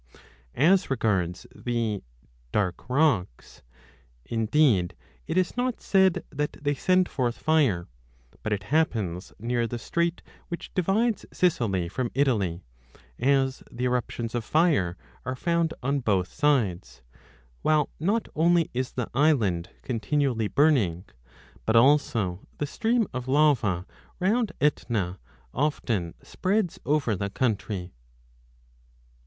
As regards the Dark Rocks indeed it is not said that they send forth fire ; but it happens near the strait which divides Sicily from Italy, as the eruptions of fire are found on both sides ; while not only is the island continually 5 burning, but also the stream of lava round Etna often spreads over the country.